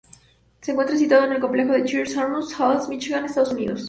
Se encuentra situado en el complejo de Chrysler Auburn Hills, Míchigan, Estados Unidos.